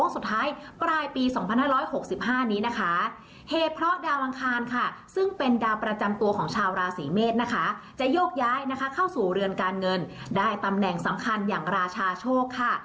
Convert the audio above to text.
สู่เรือนการเงินได้ตำแหน่งสำคัญอย่างราชาโชคค่ะ